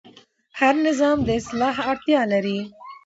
هر نظام د اصلاح اړتیا لري